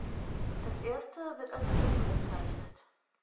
Das erste wird als „Doum“ bezeichnet.